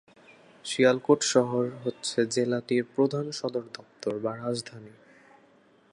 শিয়ালকোট শহর হচ্ছে জেলাটির প্রধান সদর দপ্তর বা রাজধানী।